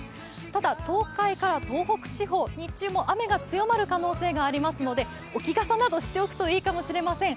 ただ東海から東北地方、日中も雨が強まる可能性がありますので、置き傘などしておくといいかもしれません。